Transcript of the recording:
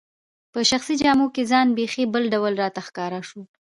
په شخصي جامو کي ځان بیخي بل ډول راته ښکاره شو.